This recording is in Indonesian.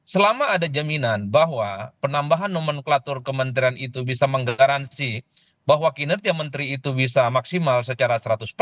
selama ada jaminan bahwa penambahan nomenklatur kementerian itu bisa menggaransi bahwa kinerja menteri itu bisa maksimal secara seratus